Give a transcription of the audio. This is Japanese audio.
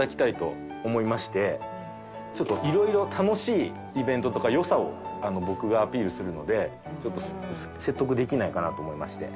色々楽しいイベントとか良さを僕がアピールするのでちょっと説得できないかなと思いまして。